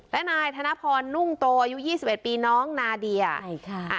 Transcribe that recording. และนายธนพรนุ่งโตอายุ๒๑ปีน้องนาเดียใช่ค่ะ